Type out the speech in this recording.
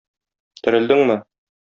терелдеңме?